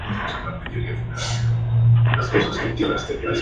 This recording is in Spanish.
La canción trata sobre la perseverancia frente a las inesperadas dificultades.